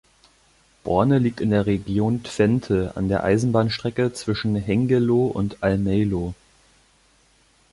Borne liegt in der Region Twente an der Eisenbahnstrecke zwischen Hengelo und Almelo.